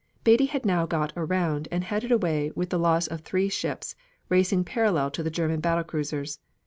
Beatty had now got around and headed away with the loss of three ships, racing parallel to the German battle cruisers.